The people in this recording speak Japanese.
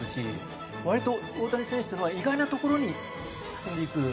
割と大谷選手というのは意外なところに進んでいく。